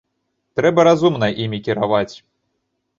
Трэба разумна імі кіраваць.